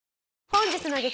本日の激